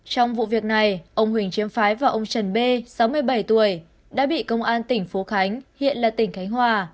trong vụ việc này ông huỳnh chiếm phái và ông trần b sáu mươi bảy tuổi đã bị công an tỉnh phố khánh hiện là tỉnh khánh hòa